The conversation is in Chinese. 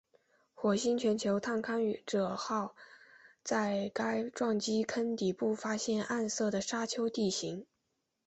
火星全球探勘者号在该撞击坑底部发现暗色的沙丘地形。